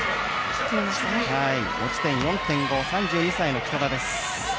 持ち点４．５３２歳の北田です。